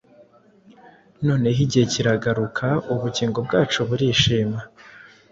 Noneho igihe kiragaruka: Ubugingo bwacu burishima,